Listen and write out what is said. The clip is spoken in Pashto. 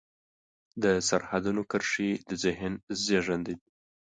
د سرحدونو کرښې د ذهن زېږنده دي.